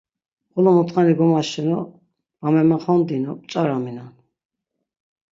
Xolo mutxani gomaşinu, va memaxondinu p̆ç̆araminon…